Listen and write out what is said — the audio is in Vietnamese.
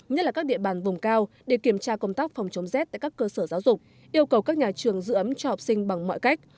nhất là các địa bàn vùng cao để kiểm tra công tác phòng chống rét tại các cơ sở giáo dục yêu cầu các nhà trường giữ ấm cho học sinh bằng mọi cách